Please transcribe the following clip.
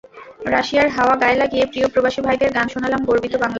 রাশিয়ার হাওয়া গায়ে লাগিয়ে প্রিয় প্রবাসী ভাইদের গান শোনালাম গর্বিত বাংলার।